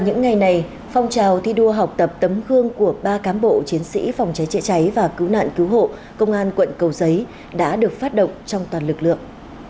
những ngày này phong trào thi đua học tập tấm gương của ba cám bộ chiến sĩ phòng cháy chữa cháy và cứu nạn cứu hộ công an quận cầu giấy đã được phát động trong toàn lực lượng